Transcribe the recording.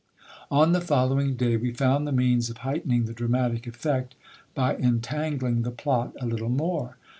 On the following day we found the means of heightening the dramatic effect by entan gling the plot a little more.